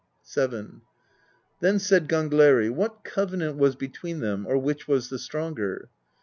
VII. Then said Gangleri: "What covenant was between them, or which was the stronger?"